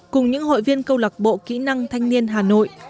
cùng những hội viên câu lạc bộ kỹ năng thanh niên hà nội